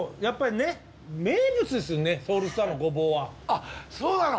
あっそうなの？